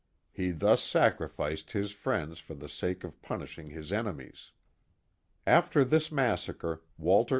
He thus sacrificed his fiiends for (he sake of punish* ing his enemies. After this ttiassacre, Walter N.